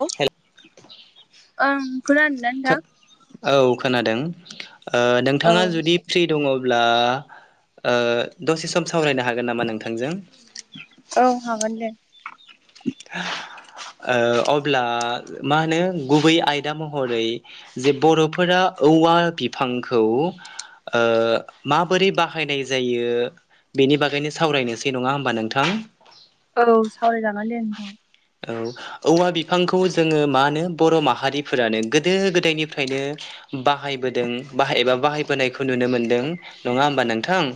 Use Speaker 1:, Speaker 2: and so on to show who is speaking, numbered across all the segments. Speaker 1: [unintelligible] ओं खोनादो नोंथां
Speaker 2: औ खोनादों ओ
Speaker 1: औ
Speaker 2: नोंथाङा जुदि फ्रि दङ ब्ला ओ दसे सम सावरायनो हागोन नामा नोंथांजों
Speaker 1: औ हागोन दे
Speaker 2: [inaudible] ओ अब्ला मा होनो गुबै आयदा महरै जे बर'फोरा औवा बिफांखौ ओ माबोरै बाहायनाय जायो बेनि बागैनो सावरायनोसै नङा होमबा नोंथां
Speaker 1: औ सावराय जागोन दे नोथां
Speaker 2: औ औवा बिफांखौ जोङो मा नो बर' माहारिफोरानो गोदो गोदायनिफ्रायनो बाहायबोदों बाहाय एबा बाहायबोनायखौ नुनो मोनदों नङा होमबा नोंथां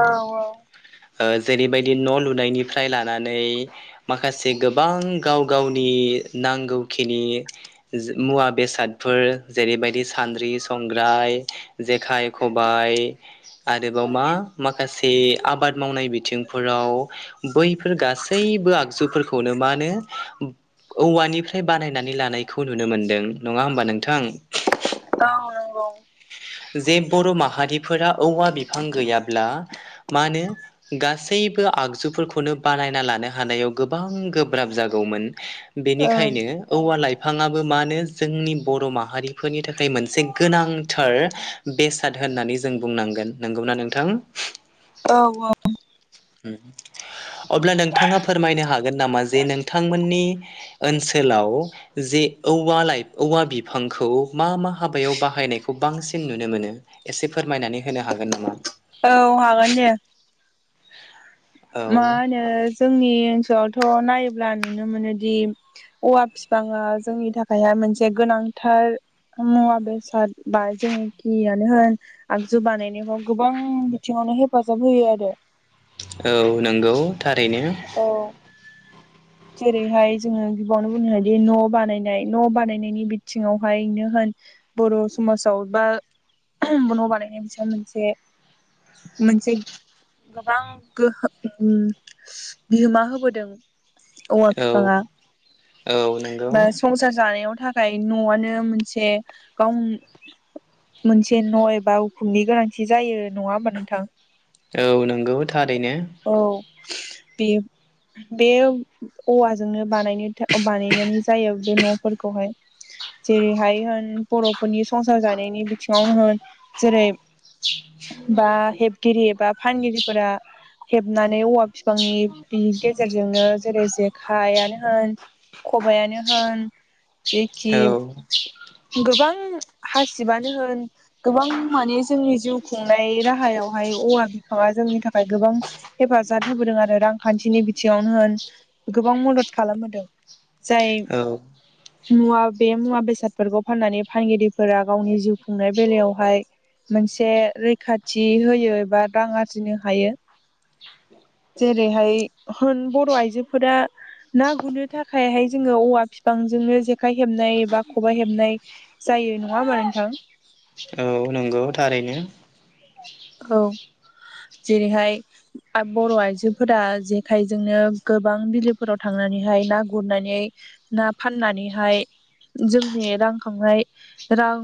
Speaker 1: औ औ
Speaker 2: ओ जेरैबायदि न' लुनायनिफ्राय लानानै माखा से गोबां गाव गावनि नांगौखिनि मुवा बेसादफोर जेरैबायदि सान्द्रि संग्राय जेखाइ खबाय आरोबाव मा माखासे आबाद मावनाय बिथिंफोराव बैफोर गासैबो आगजु फोरखौनो मानो औवानिफ्राय बानायनानै लानायखौ नुनो मोनदों नङा होमबा नोंथां
Speaker 1: औ नोंगौ
Speaker 2: जे बर' माहारिफोरा औवा बिफां गैयाब्ला मा नो गासै बो आगजुफोरखौनो बानायना लानो हानायाव गोबां गोब्राब जागौमोन
Speaker 1: ओं
Speaker 2: बेनिखायनो औवा लाइ फांङाबो मा नो जोंनि बर' माहारिफोरनि थाखाय मोनसे गोनांथार बेसाद होननानै जों बुंनांगोन नंगौना नोंथां
Speaker 1: औ औ
Speaker 2: उम अब्ला नोंथाङा फोरमायनो हागोन नामा जे नोंथांमोननि ओनसोलाव जे औवा लाइ औवा बिफांखौ मा मा हाबायाव बाहायनायखौ बांसिन नुनो मोनो एसे फोरमायनानै होनो हागोन नामा
Speaker 1: औ हागोन दे।
Speaker 2: औ
Speaker 1: मा होनो जोंनि [unintelligible] थ' नायोब्ला नुनो मोनोदि औवा बिफाङा जोंनि थाखायहाय मोनसे गोनांथार मुवा बेसाद बा जेनेखियानो होन आगजु बानायनायाव गोबां बिथिङाव नो हेफाजाब होयो आरो
Speaker 2: औ नोंगौ थारैनो
Speaker 1: औ जेरैहाय जोङो गिबावनो बुंनो हायोदि न' बानायनाय न' बानायनायनि बिथिङावहायनो होन बर' समाजाव बा न' [unintelligible] मोनसे मोनसे गोबां गोहोम बिहोमा होबोदों औवा
Speaker 2: औ
Speaker 1: फिफाङा
Speaker 2: औ नंगौ
Speaker 1: बा संसार जानायाव था खाय न'आनो मोनसे गाव मोनसे न' एबा उखुमनि गोनांथि जायो नङा होमबा नोंथां
Speaker 2: औ नोंगौ थारैनो
Speaker 1: बे-बे औवाजोंनो बानायनो था बानायनानै जायो बे न'फोरखौहाय जेरैहाय होन बर'फोरनि संसार जानायनि बिथिङावनो होन जेरै बा हेबगिरि बा फानगिरिफोरा हेबनानै औवा फिफांनि बि गेजेरजोंनो जेखाइयानो होन खबाइयानो होन जेखि
Speaker 2: औ
Speaker 1: गोबां हासिबानो होन गोबां माने जोंनि जिउ खुंनाय राहायावहाय औवा बिफाङा जोंनि थाखाय गोबां हेफाजाद होबोदों आरो रांखान्थिनि बिथिङावनो होन गोबां मदद खालामबोदों जाय
Speaker 2: औ
Speaker 1: मुवा बे मुवा बेसादफोरखौ फाननानै फानगिरिफोरा गावनि जिउ खुंनाय बेलायावहाय मोनसे रैखाथि होयो एबा रां आरजिनो हायो जेरैहाय
Speaker 2: [inaudible]
Speaker 1: होन बर' आयजोफोरा ना गुरनो थाखायहाय जोङो औवा बिफांजोंनो जेखाइ हेबनाय बा खबाइ हेबनाय जायो नङा होमबा नोंथां
Speaker 2: औ नंगौ थारैनो
Speaker 1: औ जेरैहाय बर' आइजोफोरा जेखायजोंनो गोबां बिलोफोराव थांना नानैहाय ना गुरनानै ना फाननानैहाय जोंनि रांखांनाय रां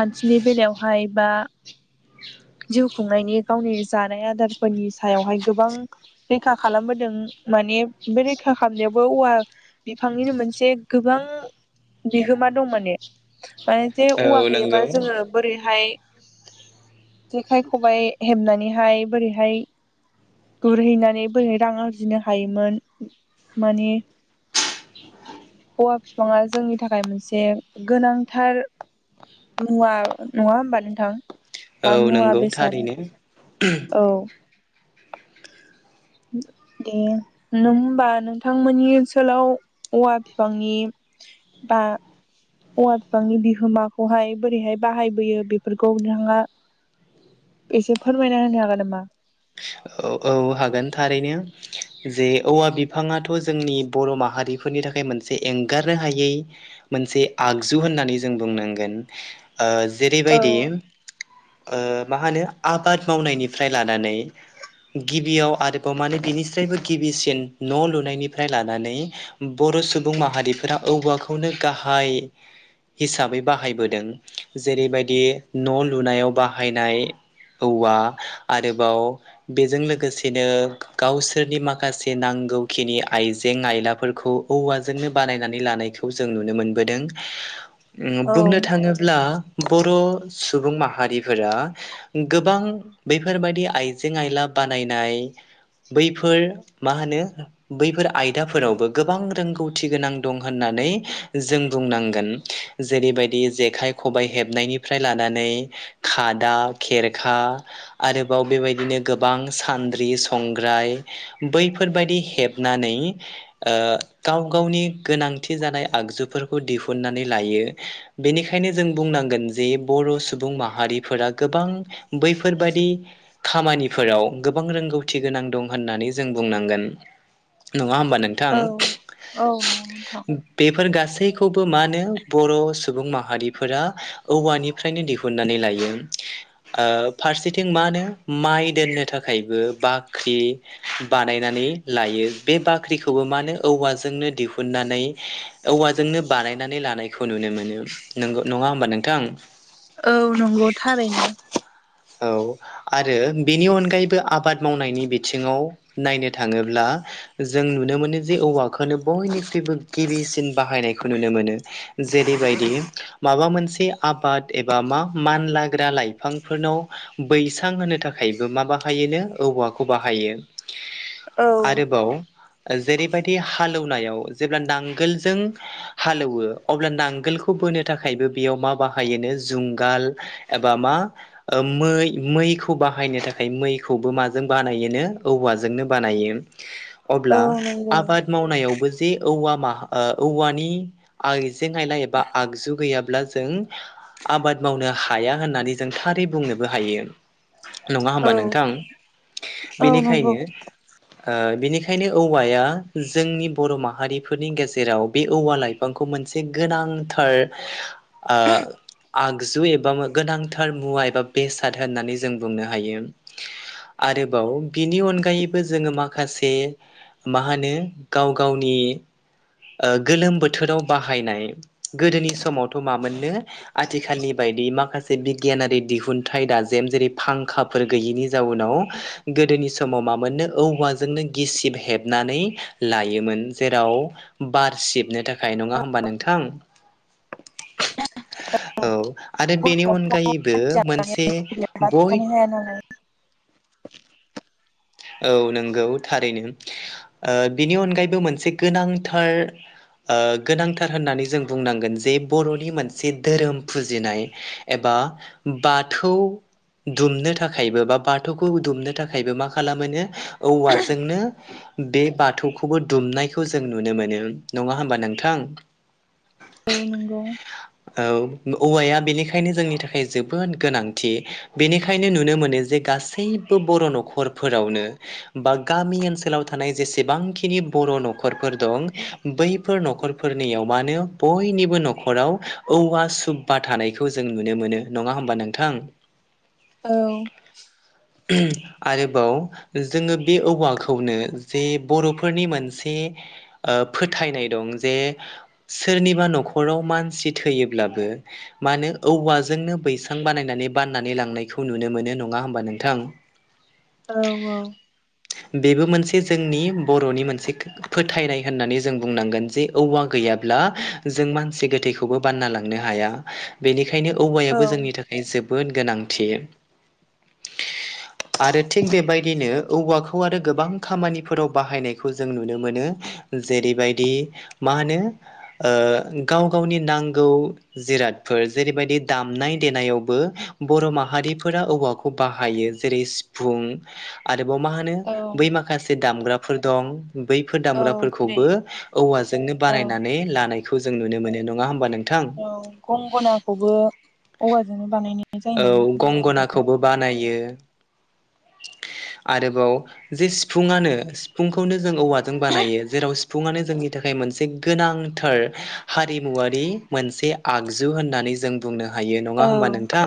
Speaker 1: खान्थिनि बेलायावहाय बा जिउ खुंनायनि गावनि जानाय आदारफोरनि सायावहाय गोबां रैखा खालामबोदों माने बे रैखा खालामनायावबो औवा बिफांनिनो मोनसे गोबां बिहोमा दं माने माने जे औवा
Speaker 2: औ नंगौ
Speaker 1: गैयाबा जोङो बोरैहाय जेखाइ खबाइ हेबनानैहाय बोरैहाय गुरहैनानै बोरै रां आरजिनो हायोमोन माने औवा बिफाङा जोंनि थाखाय मोनसे गोनांथार मुवा नङा होमबा नोंथां बा
Speaker 2: औ
Speaker 1: मुवा
Speaker 2: नंगौ
Speaker 1: बेसाद
Speaker 2: थारैनो
Speaker 1: औ
Speaker 2: [inaudible]
Speaker 1: दे नों होमबा नोंथांमोननि ओनसोलाव औवा बिफांनि बा औवा बिफांनि बिहोमा बेहाय बोरैहाय बाहायबोयो बेफोरखौ नोंथाङा एसे फोरमायना होनो हागोन नामा?
Speaker 2: औ औ हागोन थारैनो जे औवा बिफाङाथ' जोंनि बर' माहारिफोरनि थाखाय मोनसे एंगारनो हायै मोनसे आगजु होननानै जों बुंनांगोन ओ
Speaker 1: औ
Speaker 2: जेरैबायदि ओ मा होनो आबाद मावनायनिफ्राय लानानै गिबियाव आरोबाव मानोे बिनिस्रायबो गिबिसिन न' लुनायनिफ्राय लानानै बर' सुबुं माहारिफोरा औवाखौनो गाहाय हिसाबै बाहायबोदों जेरैबायदि न' लुनायाव बाहायनाय औवा आरोबाव बेजों लोगोसेनो गावसोरनि माखासे नांगौखिनि आइजें आयलाफोरखौ औवाजोंनो बानायनानै लानायखौ जों नुनो मोनबोदों उम
Speaker 1: औ
Speaker 2: बुंनो थाङोब्ला बर' सुबुं माहारिफोरा गोबां बेैफोरबायदि आइजें आइला बानायनाय बैफोर मा होनो बैफोर आयदाफोरावबो गोबां रोंगौथि गोनां दं होननानै जों बुंनांगोन जेरैबायदि जेखाइ खबाइ हेबनायनिफ्राय लानानै खादा खेरखा आरोबाव बेबायदिनो गोबां सान्द्रि संग्राय बैफोरबायाददि हेबनानै ओ गाव गावनि गोनांथि जानाय आगजुफोरखौ दिहुननानै लायो बेनिखायनो जों बुं बुंनांगोन जे बर' सुबुं माहारिफोरा गोबां बैफोरबादि खामानि फोराव गोबां रोंगौथि गोनां दं होननानै जों बुंनांगोन नङा होनबा नोंथां
Speaker 1: औ नोंथां
Speaker 2: बेफोर गासै खौबो मानो बर' सुबुं माहारिफोरा औवानि फ्रायनो दिनानै लायो ओ फारसेथिं मानो माइ दोननो थाखायबो बाख्रि बानायनानै लायो बे बाख्रिखौबो मा होनो औवाजोंनो दिहुननानै औवाजोंनो बानायनानै लानायखौ नुनो मोनो नंगौ नङा होमबा नोंथां
Speaker 1: औ नंगौ थारैनो
Speaker 2: औ आरो बेनि अनगायैबो आबाद मावनायनि बिथिङाव नायनो थाङोब्ला जों नुनो मोनो जे औवाखौनो बयनिख्रुइबो गिबिसिन बाहायनायखौ नुनो मोनो जेरैबायदि माबा मोनसे आबाद एबा मा मानलाग्रा लाइफांफोरनाव बैसां होनो था खायबो मा बाहायोनो औवाखौ बाहायो
Speaker 1: औ
Speaker 2: आरोबाव जेरैबायदि हालौनायाव जेब्ला नांगोलजों हालौवो अब्ला नांगोलखौ बोनो थाखाय बेयाव मा बाहायो नो जुंगाल एबा मा मै मैखौ बाहायनो थाखाय मैखौबो माजों बानायोनो औवाजोंनो बानायो
Speaker 1: औ
Speaker 2: अब्ला
Speaker 1: नंगौ
Speaker 2: आबाद मावनायावबो जे औवा [unintelligible] औवानि आइजें आयला एबा आगजु गैयाब्ला जों आबाद मावनो हाया होननानै जों थारै बुंनोबो हायो नङा होमबा
Speaker 1: औ
Speaker 2: नोंथां?
Speaker 1: औ नंगौ
Speaker 2: बेनिखायनो ओ बेनिखायनो औवाया जोंनि बर' माहारिफोरनि गेजेराव बे औवा लाइफांखौ मो मोनसे गोनांथार ओ आगजु एबा गोनांथार मुवा एबा बेसाद होननानै जों बुंनो हायो आरोबाव बिनि अनगायैबो जोङो माखासे मा होनो गाव गावनि ओ गोलोम बोथोराव बाहायनाय गोदोनि समावथ' मा मोननो आथिखालनि बा माखसे बिगियानारि दिहुनथाइ दाजेम जेरै फांखाफोर गैयिनि जाउनाव गोदोनि समाव मा मोननो औवाजोंनो गिसिब हेबना नै लायोमोन जेराव बार सिबनो था खाय नङा होमबा नोंथां औ आरो बेनि अनगायैबो मोनसे
Speaker 1: [unintelligible]
Speaker 2: बय
Speaker 1: गैया नालाय
Speaker 2: औ नंगौ थारैनो ओ बिनि अनगायैबो मोनसे गोनांथार ओ गोनांथार होननानै जों बुंनांगोन जे बर'नि मोनसे धोरोम फुजिनाय एबा बाथौ दुमनो थाखायबो बा बाथौखौ दुमनो थाखायबो मा खालामो नो औवाजोंनो बे बाथौखौबो दुमनायखौ जों नुनो मोनो। नङा होमबा नोंथां?
Speaker 1: औ नोंगौ।
Speaker 2: औ-औवाया बेनिखायनो जोंनि थाखाय जोबोद गोनांथि बेनिखायनो नुनो मोनो जे गासैबो बर' न'खर फोरावनो बा गामि ओनसोलाव थानाय जेसेबांखिनि बर' न'खरफोर दं बैफोर न'खरफोरनियाव मानो बयनिबो न'खराव औवा सुबबा थानायखौ जों नुनो मोनो नङा होमबा नोंथां?
Speaker 1: औ।
Speaker 2: ओम आरो बाव‌ जोङो बे औवाखौनो जे बर'फोरनि मोनसे ओ फो थायनाय दं जे सोरनिबा न'खराव मानसि थैयोब्लाबो मानो औवाजोंनो बैसां बानायनानै बाननानै लांनायखौ नुनो मोनो नङा होमबा नोंथां?
Speaker 1: औ औ।
Speaker 2: बेबो मोनसे जोंनि बर'नि मोनसे फोथायनाय होननानै जों बुंनांगोन जे औवा गैया ब्ला जों मानसि गोथैखौबो बानना लांनो हाया बेनि खायनो
Speaker 1: औ
Speaker 2: औवायाबो जोंनि थाखाय जोबोद गोनांथि आरो थिग बेबायदिनो औवाखौ आरो गोबां खामानिफोराव बाहायनायखौ जों नुनो मोनो जेरै बेबायदि मा होनो ओ गाव गावनि नांगौ जिरादफोर जेरै बेबायदि दामनाय देनायावबो बर' माहारिफोरा औवाखौ बाहायो जेरै सि फुं आरोबाव मा होनो
Speaker 1: औ
Speaker 2: बै माखासे दामग्राफोर दं। बैफोर
Speaker 1: औ जेरै
Speaker 2: दामग्राफोरखौबो औवाजोंनो
Speaker 1: औ
Speaker 2: बानायनानै लानायखौ जों नुनो मोनो नङा होमबा नों
Speaker 1: औ गंगनाखौबो औवाजोंनो बानायनाय
Speaker 2: औ
Speaker 1: जायोमोन होनबा नोंथां।
Speaker 2: गंगनाखौबो बानायो। आरोबाव जे सिफुङनो सिफुंखौनो जों औवाजों बानायो जेराव सुफुङानो जोंनि थाखाय मोनसे गोनांथार हारिमुवारि मोनसे आगजु होननानै जों बुंनो हायो नङा हबा
Speaker 1: औ
Speaker 2: नोंथां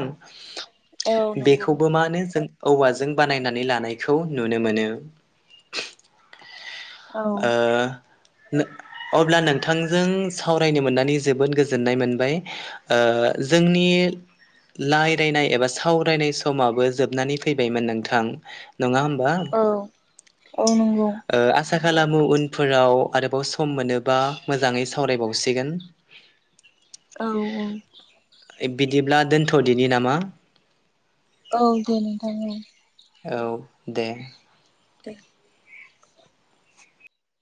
Speaker 1: औ नंगौ
Speaker 2: बेखौबो मा जों औवाजों बानायनानै लानायखौ नुनो मोनो। [unintelligible]
Speaker 1: औ
Speaker 2: ओ [unintelligible] अब्ला नोंथांजों सावरायनो मोननानै जोबोद गोजोननाय मोनबाय ओ जोंनि लायरायनाय एबा सावरायनाय समाबो जोबनानै फैबायमोन नोंथां? नङा होमबा
Speaker 1: औ औ नंगौ
Speaker 2: ओ आ साखालामो उनफोराव आरोबाव सम मोनोबा मोजाङै सावरायबावसिगोन। [inaudible]
Speaker 1: औ औ।
Speaker 2: [unintelligible] बिदिब्ला दोनथ'दिनि नामा?
Speaker 1: औ दे नोंथां औ।
Speaker 2: औ दे।
Speaker 1: दे।